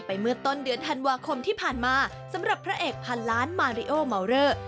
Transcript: เมื่อต้นเดือนธันวาคมที่ผ่านมาสำหรับพระเอกพันล้านมาริโอเมาเลอร์